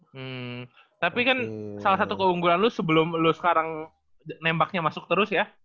hmm tapi kan salah satu keunggulan lo sebelum lo sekarang nembaknya masuk terus ya